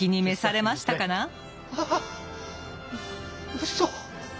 うそ！？